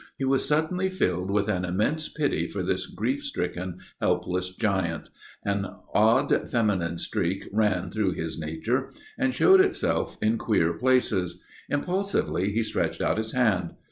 He was suddenly filled with an immense pity for this grief stricken, helpless giant. An odd feminine streak ran through his nature and showed itself in queer places. Impulsively he stretched out his hand.